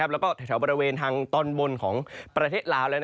แล้วก็แถวบริเวณทางตอนบนของประเทศลาว